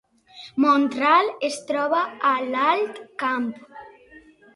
Mont-ral es troba a l’Alt Camp